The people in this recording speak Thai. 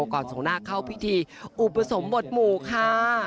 ก่อนส่งนาคเข้าพิธีอุปสรรค์หมดหมู่ค่ะ